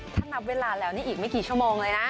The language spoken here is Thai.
ถ้านับเวลาแล้วนี่อีกไม่กี่ชั่วโมงเลยนะ